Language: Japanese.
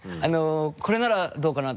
これならどうかなって。